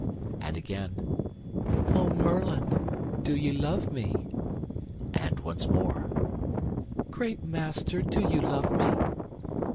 and again, "O Merlin, do ye love me?" and once more, "Great Master, do ye love me?"